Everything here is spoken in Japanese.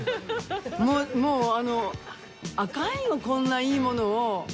もうあのアカンよこんないいものを。